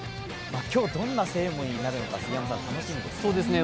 今日、どんなセレモニーになるのか楽しみですね。